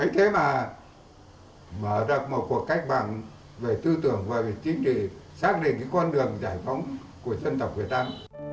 thế mà mở ra một cuộc cách bằng về tư tưởng và về chính trị xác định con đường giải phóng của dân tộc việt nam